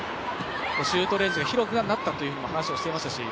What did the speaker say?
シュートレンジが広くなったという話もしていましたし。